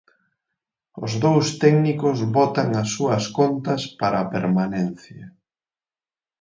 Os dous técnicos botan as súas contas para a permanencia.